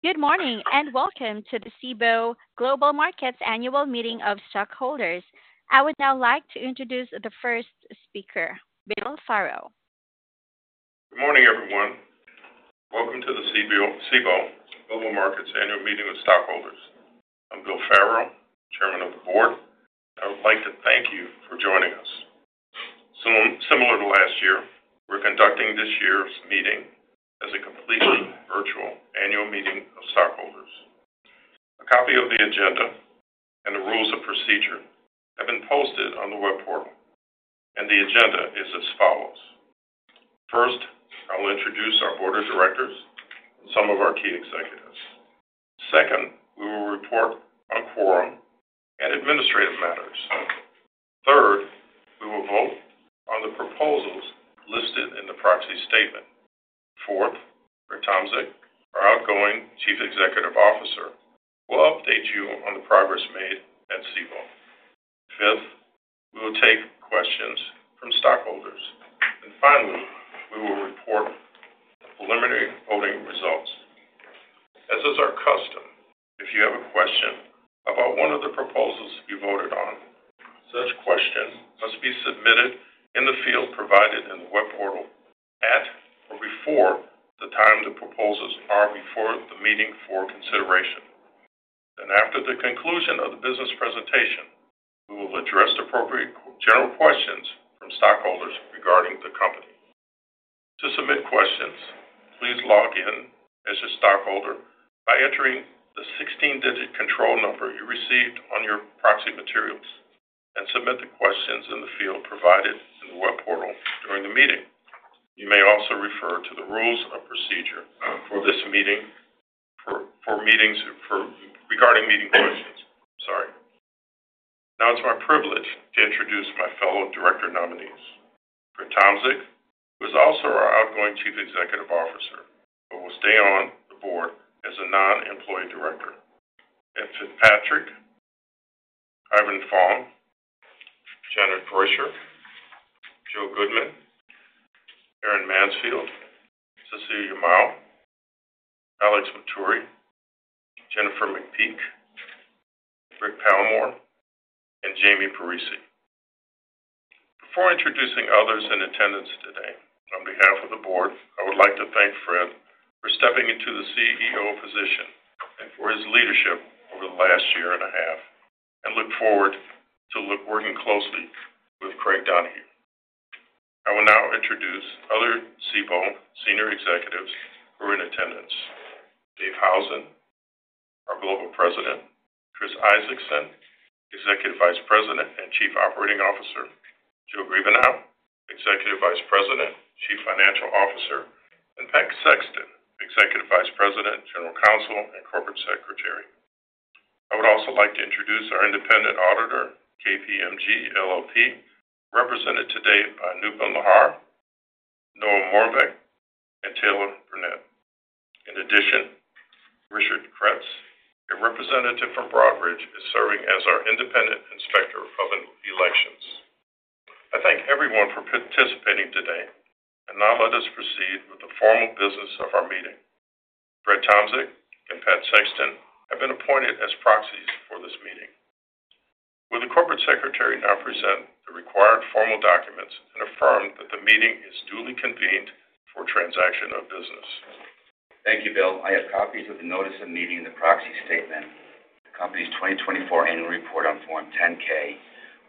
Good morning and welcome to the Cboe Global Markets Annual Meeting of Stockholders. I would now like to introduce the first speaker, Bill Farrow. Good morning, everyone. Welcome to the Cboe Global Markets Annual Meeting of Stockholders. I'm Bill Farrow, Chairman of the Board. I would like to thank you for joining us. Similar to last year, we're conducting this year's meeting as a completely virtual annual meeting of stockholders. A copy of the agenda and the rules of procedure have been posted on the web portal, and the agenda is as follows. First, I'll introduce our Board of Directors and some of our key executives. Second, we will report on quorum and administrative matters. Third, we will vote on the proposals listed in the Proxy Statement. Fourth, Fred Tomczyk, our outgoing Chief Executive Officer, will update you on the progress made at Cboe. Fifth, we will take questions from stockholders. Finally, we will report the preliminary voting results. As is our custom, if you have a question about one of the proposals you voted on, such question must be submitted in the field provided in the web portal at or before the time the proposals are before the meeting for consideration. After the conclusion of the business presentation, we will address appropriate general questions from stockholders regarding the company. To submit questions, please log in as your stockholder by entering the 16-digit control number you received on your proxy materials and submit the questions in the field provided in the web portal during the meeting. You may also refer to the rules of procedure for this meeting for meetings regarding meeting questions. Sorry. Now, it's my privilege to introduce my fellow director nominees, Fred Tomczyk, who is also our outgoing Chief Executive Officer, but will stay on the Board as a non-employee director. Patrick, Ivan Fong, Janet Froetscher, Jill Goodman, Erin Mansfield, Cecilia Mao, Alex Matturri, Jennifer McPeek, Roderick Palmore, and Jamie Parisi. Before introducing others in attendance today, on behalf of the Board, I would like to thank Fred for stepping into the CEO position and for his leadership over the last year and a half, and look forward to working closely with Craig Donohue. I will now introduce other Cboe senior executives who are in attendance: Dave Howson, our Global President, Chris Isaacson, Executive Vice President and Chief Operating Officer, Jill Griebenow, Executive Vice President, Chief Financial Officer, and Patrick Sexton, Executive Vice President, General Counsel, and Corporate Secretary. I would also like to introduce our independent auditor, KPMG LLP, represented today by Newborn Lahar, Noah Moravec, and Taylor Burnett. In addition, Richard Kretz, a representative from Broadridge, is serving as our independent inspector of elections. I thank everyone for participating today, and now let us proceed with the formal business of our meeting. Fred Tomczyk and Pat Sexton have been appointed as proxies for this meeting. Will the Corporate Secretary now present the required formal documents and affirm that the meeting is duly convened for transaction of business? Thank you, Bill. I have copies of the notice of meeting and the Proxy Statement, the company's 2024 annual report on Form 10-K,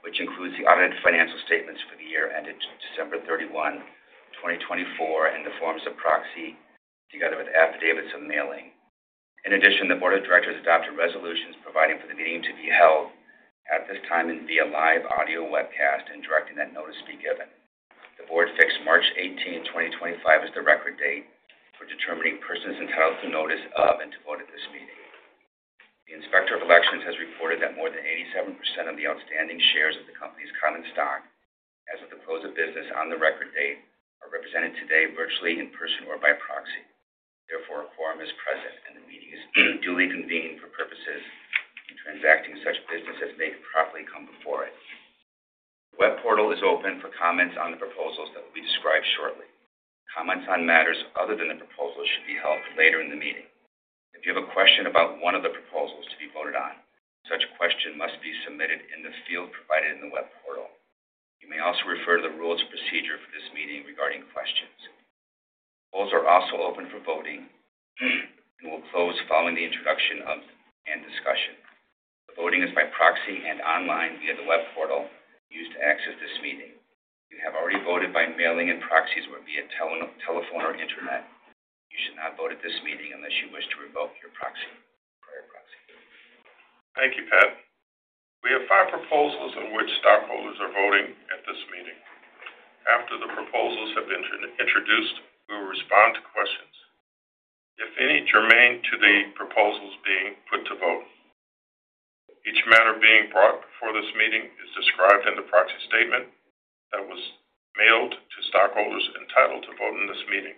which includes the audited financial statements for the year ended December 31, 2024, and the forms of proxy together with affidavits and mailing. In addition, the Board of Directors adopted resolutions providing for the meeting to be held at this time and via live audio webcast and directing that notice be given. The Board fixed March 18, 2025, as the record date for determining persons entitled to notice of and to vote at this meeting. The Inspector of Elections has reported that more than 87% of the outstanding shares of the company's common stock, as of the close of business on the record date, are represented today virtually in person or by proxy. Therefore, a quorum is present, and the meeting is duly convened for purposes of transacting such business as may properly come before it. The web portal is open for comments on the proposals that will be described shortly. Comments on matters other than the proposals should be held later in the meeting. If you have a question about one of the proposals to be voted on, such question must be submitted in the field provided in the web portal. You may also refer to the rules of procedure for this meeting regarding questions. Polls are also open for voting and will close following the introduction and discussion. The voting is by proxy and online via the web portal used to access this meeting. You have already voted by mailing in proxies or via telephone or internet. You should not vote at this meeting unless you wish to revoke your prior proxy. Thank you, Pat. We have five proposals on which stockholders are voting at this meeting. After the proposals have been introduced, we will respond to questions, if any, germane to the proposals being put to vote. Each matter being brought before this meeting is described in the Proxy Statement that was mailed to stockholders entitled to vote in this meeting.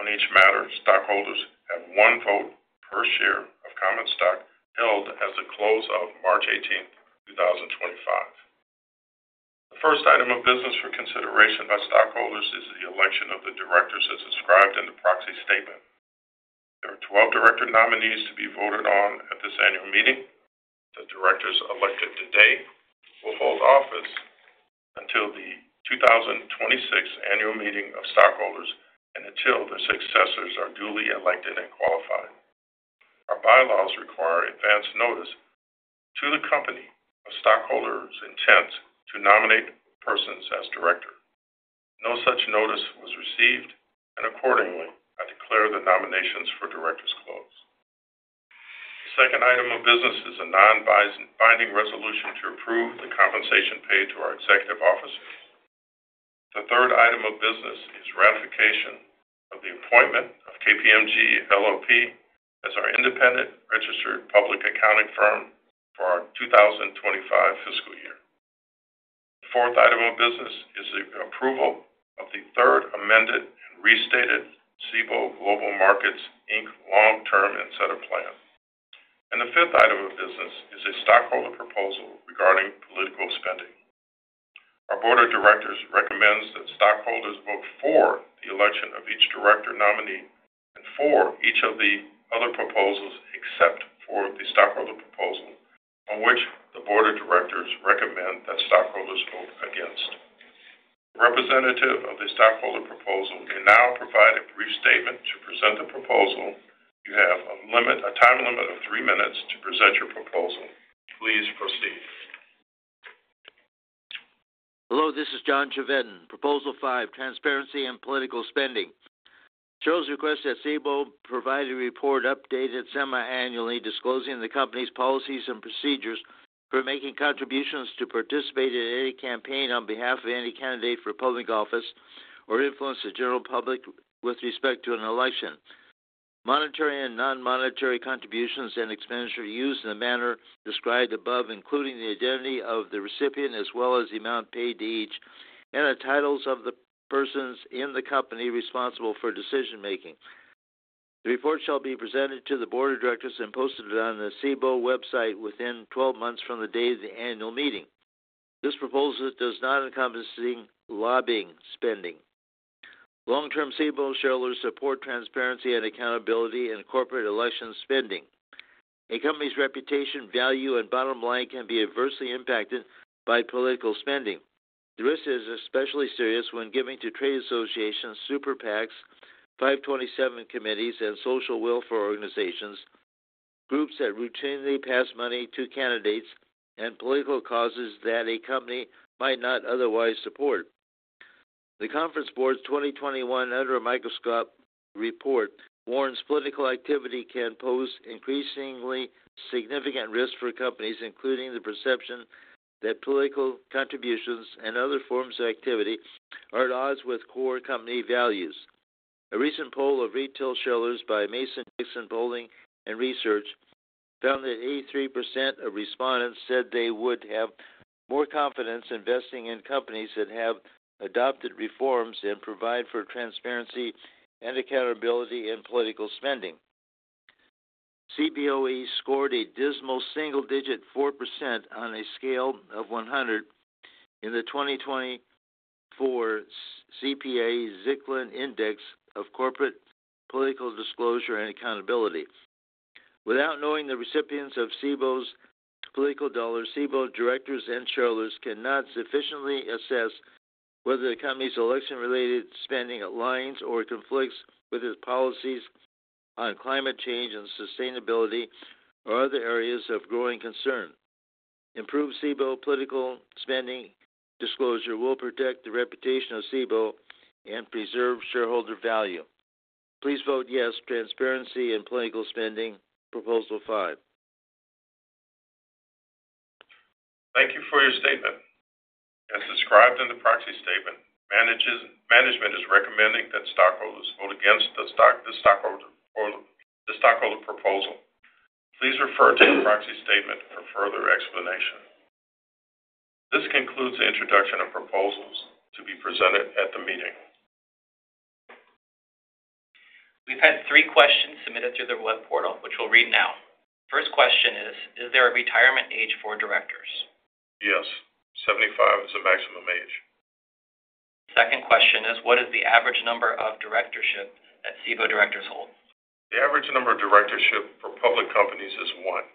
On each matter, stockholders have one vote per share of common stock held as of the close of March 18, 2025. The first item of business for consideration by stockholders is the election of the directors as described in the Proxy Statement. There are 12 director nominees to be voted on at this annual meeting. The directors elected today will hold office until the 2026 annual meeting of stockholders and until their successors are duly elected and qualified. Our bylaws require advance notice to the company of stockholders' intent to nominate persons as director. No such notice was received, and accordingly, I declare the nominations for directors closed. The second item of business is a non-binding resolution to approve the compensation paid to our executive officers. The third item of business is ratification of the appointment of KPMG LLP as our independent registered public accounting firm for our 2025 fiscal year. The fourth item of business is the approval of the third amended and restated Cboe Global Markets long-term incentive plan. The fifth item of business is a stockholder proposal regarding political spending. Our Board of Directors recommends that stockholders vote for the election of each director nominee and for each of the other proposals except for the stockholder proposal on which the Board of Directors recommend that stockholders vote against. A representative of the stockholder proposal may now provide a brief statement to present the proposal. You have a time limit of three minutes to present your proposal. Please proceed. Hello, this is John Chavedan. Proposal five, transparency and political spending. Chose request that Cboe provide a report updated semi-annually disclosing the company's policies and procedures for making contributions to participate in any campaign on behalf of any candidate for public office or influence the general public with respect to an election. Monetary and non-monetary contributions and expenditure used in the manner described above, including the identity of the recipient as well as the amount paid to each and the titles of the persons in the company responsible for decision-making. The report shall be presented to the Board of Directors and posted on the Cboe website within 12 months from the date of the annual meeting. This proposal does not encompass lobbying spending. Long-term Cboe shareholders support transparency and accountability in corporate election spending. A company's reputation, value, and bottom line can be adversely impacted by political spending. The risk is especially serious when given to trade associations, super PACs, 527 committees, and social welfare organizations, groups that routinely pass money to candidates, and political causes that a company might not otherwise support. The Conference Board's 2021 Under a Microscope report warns political activity can pose increasingly significant risk for companies, including the perception that political contributions and other forms of activity are at odds with core company values. A recent poll of retail shareholders by Mason Dixon Polling and Research found that 83% of respondents said they would have more confidence investing in companies that have adopted reforms and provide for transparency and accountability in political spending. Cboe scored a dismal single-digit 4% on a scale of 100 in the 2024 CPA Zicklin Index of Corporate Political Disclosure and Accountability. Without knowing the recipients of Cboe's political dollar, Cboe directors and shareholders cannot sufficiently assess whether the company's election-related spending aligns or conflicts with its policies on climate change and sustainability or other areas of growing concern. Improved Cboe political spending disclosure will protect the reputation of Cboe and preserve shareholder value. Please vote yes, transparency and political spending proposal five. Thank you for your statement. As described in the Proxy Statement, management is recommending that stockholders vote against the stockholder proposal. Please refer to the Proxy Statement for further explanation. This concludes the introduction of proposals to be presented at the meeting. We've had three questions submitted through the web portal, which we'll read now. First question is, is there a retirement age for directors? Yes. Seventy-five is the maximum age. Second question is, what is the average number of directorships that Cboe directors hold? The average number of directorships for public companies is one.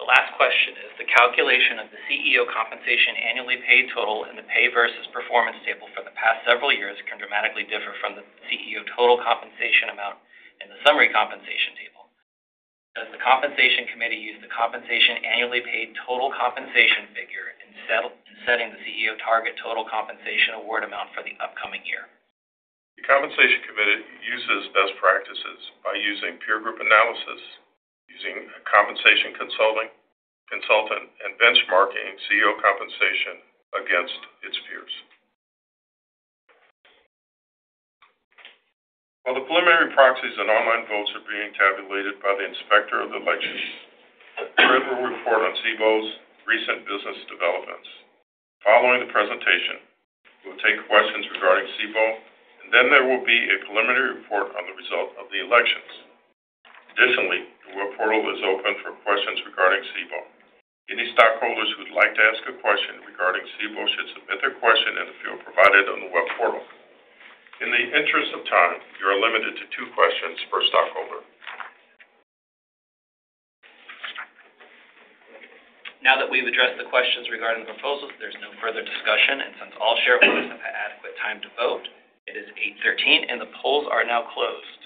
The last question is, the calculation of the CEO compensation annually paid total and the pay versus performance table for the past several years can dramatically differ from the CEO total compensation amount in the summary compensation table. Does the compensation committee use the compensation annually paid total compensation figure in setting the CEO target total compensation award amount for the upcoming year? The compensation committee uses best practices by using peer group analysis, using compensation consulting, consultant, and benchmarking CEO compensation against its peers. While the preliminary proxies and online votes are being tabulated by the inspector of the elections, there will be a report on Cboe's recent business developments. Following the presentation, we will take questions regarding Cboe, and then there will be a preliminary report on the result of the elections. Additionally, the web portal is open for questions regarding Cboe. Any stockholders who'd like to ask a question regarding Cboe should submit their question in the field provided on the web portal. In the interest of time, you are limited to two questions per stockholder. Now that we've addressed the questions regarding the proposals, there's no further discussion. Since all shareholders have had adequate time to vote, it is 8:13 A.M., and the polls are now closed.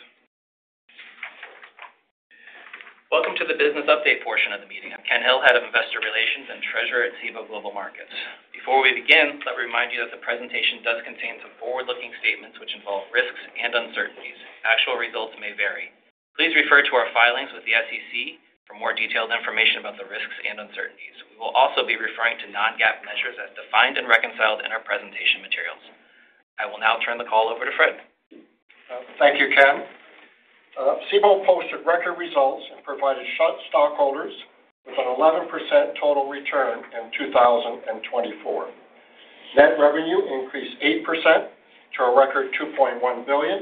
Welcome to the business update portion of the meeting. I'm Ken Hill, Head of Investor Relations and Treasurer at Cboe Global Markets. Before we begin, let me remind you that the presentation does contain some forward-looking statements which involve risks and uncertainties. Actual results may vary. Please refer to our filings with the SEC for more detailed information about the risks and uncertainties. We will also be referring to non-GAAP measures as defined and reconciled in our presentation materials. I will now turn the call over to Fred. Thank you, Ken. Cboe posted record results and provided stockholders with an 11% total return in 2024. Net revenue increased 8% to a record $2.1 billion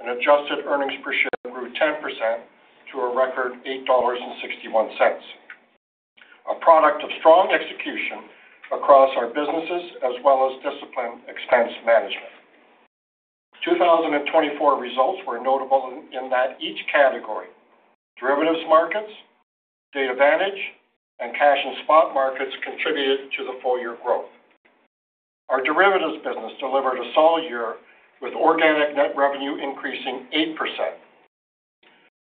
and adjusted earnings per share grew 10% to a record $8.61. A product of strong execution across our businesses as well as disciplined expense management. 2024 results were notable in that each category, derivatives markets, Data Vantage, and cash and spot markets contributed to the full-year growth. Our derivatives business delivered a solid year with organic net revenue increasing 8%.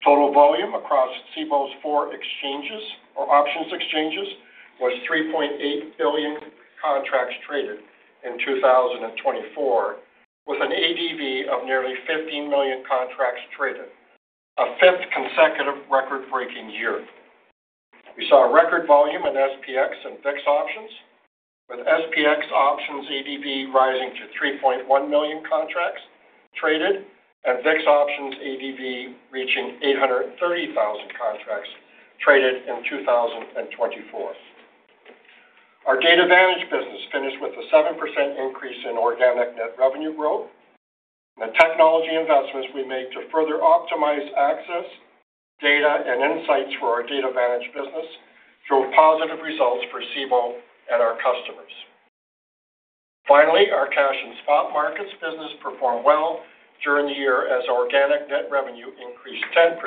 Total volume across Cboe's four options exchanges was 3.8 billion contracts traded in 2024, with an ADV of nearly 15 million contracts traded, a fifth consecutive record-breaking year. We saw record volume in SPX and VIX options, with SPX options ADV rising to 3.1 million contracts traded and VIX options ADV reaching 830,000 contracts traded in 2024. Our Data Vantage business finished with a 7% increase in organic net revenue growth. The technology investments we made to further optimize access, data, and insights for our Data Vantage business drove positive results for Cboe and our customers. Finally, our cash and spot markets business performed well during the year as organic net revenue increased 10%,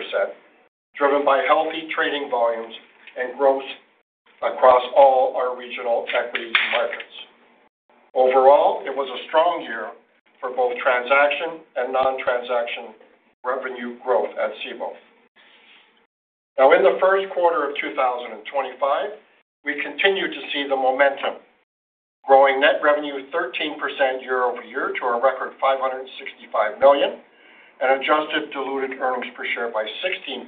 driven by healthy trading volumes and growth across all our regional equities markets. Overall, it was a strong year for both transaction and non-transaction revenue growth at Cboe. Now, in the first quarter of 2025, we continue to see the momentum, growing net revenue 13% year-over-year to a record $565 million and adjusted diluted earnings per share by 16%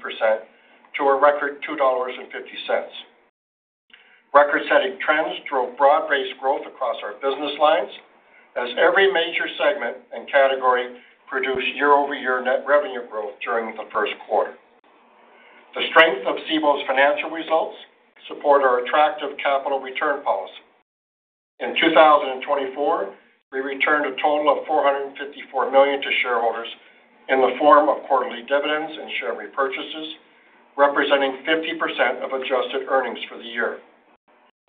to a record $2.50. Record-setting trends drove broad-based growth across our business lines as every major segment and category produced year-over-year net revenue growth during the first quarter. The strength of Cboe's financial results supports our attractive capital return policy. In 2024, we returned a total of $454 million to shareholders in the form of quarterly dividends and share repurchases, representing 50% of adjusted earnings for the year.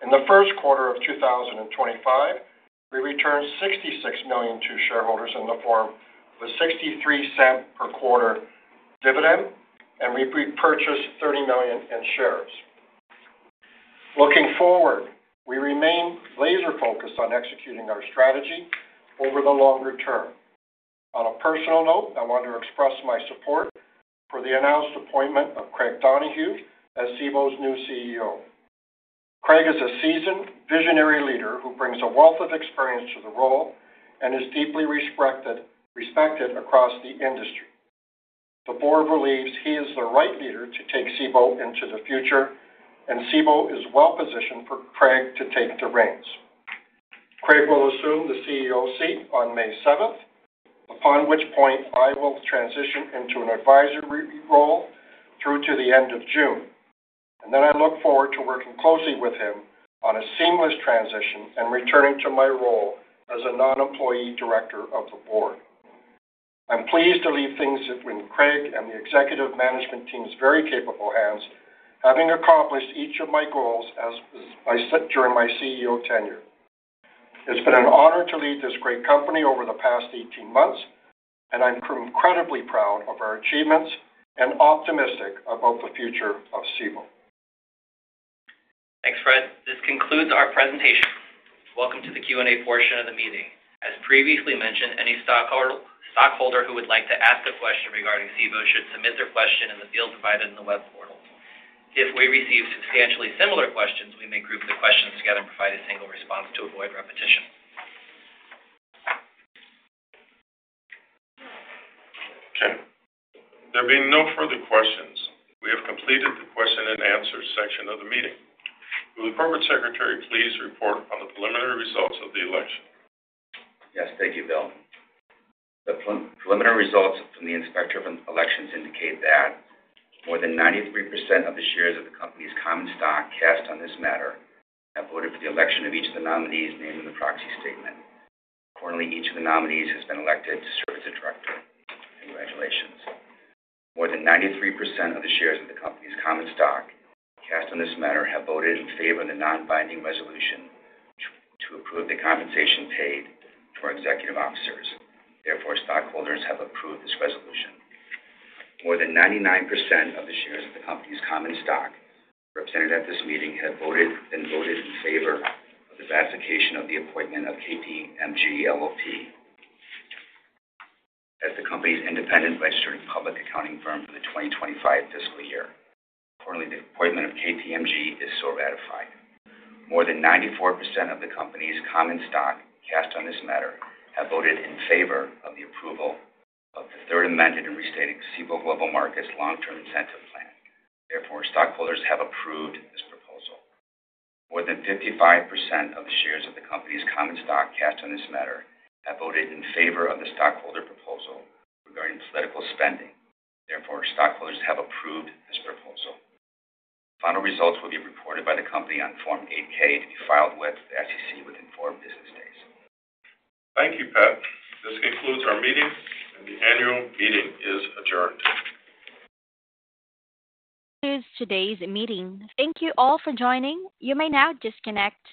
In the first quarter of 2025, we returned $66 million to shareholders in the form of a $0.63 per quarter dividend, and we repurchased $30 million in shares. Looking forward, we remain laser-focused on executing our strategy over the longer term. On a personal note, I want to express my support for the announced appointment of Craig Donohue as Cboe's new CEO. Craig is a seasoned, visionary leader who brings a wealth of experience to the role and is deeply respected across the industry. The Board believes he is the right leader to take Cboe into the future, and Cboe is well-positioned for Craig to take the reins. Craig will assume the CEO seat on May 7th, upon which point I will transition into an advisory role through to the end of June. I look forward to working closely with him on a seamless transition and returning to my role as a non-employee director of the Board. I'm pleased to leave things with Craig and the executive management team's very capable hands, having accomplished each of my goals during my CEO tenure. It's been an honor to lead this great company over the past 18 months, and I'm incredibly proud of our achievements and optimistic about the future of Cboe. Thanks, Fred. This concludes our presentation. Welcome to the Q&A portion of the meeting. As previously mentioned, any stockholder who would like to ask a question regarding Cboe should submit their question in the field provided in the web portal. If we receive substantially similar questions, we may group the questions together and provide a single response to avoid repetition. Okay. There being no further questions, we have completed the question and answer section of the meeting. Will the Corporate Secretary please report on the preliminary results of the election? Yes. Thank you, Bill. The preliminary results from the inspector of elections indicate that more than 93% of the shares of the company's common stock cast on this matter have voted for the election of each of the nominees named in the Proxy Statement. Accordingly, each of the nominees has been elected to serve as a director. Congratulations. More than 93% of the shares of the company's common stock cast on this matter have voted in favor of the non-binding resolution to approve the compensation paid to our executive officers. Therefore, stockholders have approved this resolution. More than 99% of the shares of the company's common stock represented at this meeting have voted in favor of the ratification of the appointment of KPMG LLP as the company's independent registered public accounting firm for the 2025 fiscal year. Accordingly, the appointment of KPMG is so ratified. More than 94% of the company's common stock cast on this matter have voted in favor of the approval of the Third Amended and Restated Cboe Global Markets Long-Term Incentive Plan. Therefore, stockholders have approved this proposal. More than 55% of the shares of the company's common stock cast on this matter have voted in favor of the stockholder proposal regarding political spending. Therefore, stockholders have approved this proposal. Final results will be reported by the company on Form 8-K to be filed with the SEC within four business days. Thank you, Pat. This concludes our meeting, and the annual meeting is adjourned. This is today's meeting. Thank you all for joining. You may now disconnect.